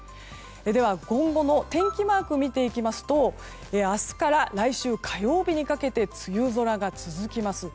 では、今後の天気マークを見ていきますと明日から来週火曜日にかけて梅雨空が続きます。